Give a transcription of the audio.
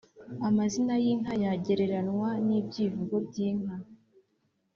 amazina y’inka yagereranywa n’ibyivugo by’inka